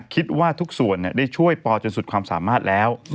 คิดว่าทุกส่วนได้ช่วยปอจนสุดความสามารถแล้ว